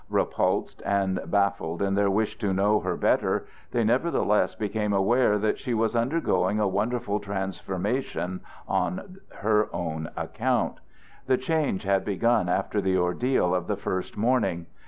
Repulsed and baffled in their wish to know her better, they nevertheless became aware that she was undergoing a wonderful transformation on her own account. The change had begun after the ordeal of the first morning.